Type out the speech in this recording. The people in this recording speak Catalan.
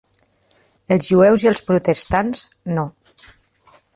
Els jueus i els protestants, no.